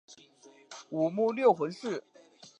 母乌六浑氏。